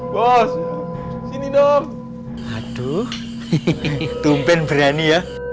bos sini dong aduh hehehe tumpen berani ya